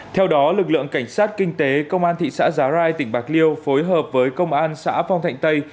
theo đó lực lượng cảnh sát kinh tế công an thị xã giá rai tỉnh bạc liêu phối hợp với công an xã phong thạnh tây